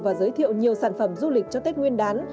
và giới thiệu nhiều sản phẩm du lịch cho tết nguyên đán